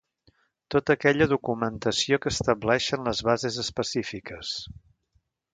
Tota aquella documentació que estableixen les bases específiques.